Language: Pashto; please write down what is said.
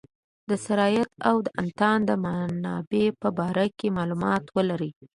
د سرایت او د انتان د منابع په باره کې معلومات ولري.